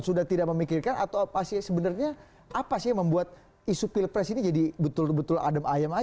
sudah tidak memikirkan atau apa sih sebenarnya apa sih yang membuat isu pilpres ini jadi betul betul adem ayem aja